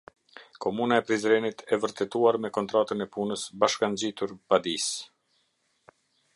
Komuna e Prizrenit, e vërtetuar me kontratën e punës bashakngjitur padisë.